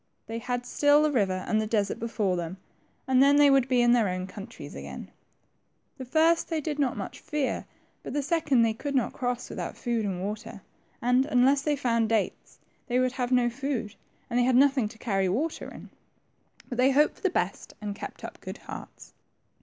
They had still the river and the desert before them, and then they would be in their own countries again. The first they did not much fear, but the second they could not cross without food and water ; 7 98 * THE TWO PRINCES. and unless they found dates they would have no food, and they had nothing to carry water in. But they hoped for the best, and kept up good hearts.